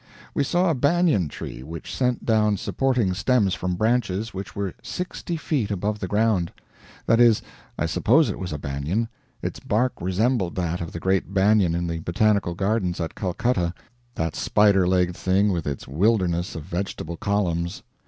We saw a banyan tree which sent down supporting stems from branches which were sixty feet above the ground. That is, I suppose it was a banyan; its bark resembled that of the great banyan in the botanical gardens at Calcutta, that spider legged thing with its wilderness of vegetable columns.